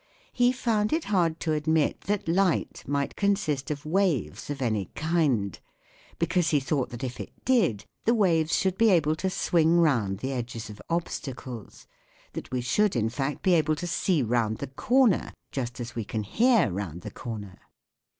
He found it hard to admit that light might consist of waves of any kind, because he thought that if it did, the waves should be able to swing round the edges of obstacles that we should in fact be able to see round the corner, just as we can hear round the corner.